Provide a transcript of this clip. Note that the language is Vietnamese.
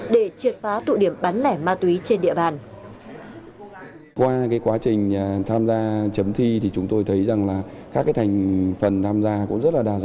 để triệt phá tụ điểm bán lẻ ma túy trên địa bàn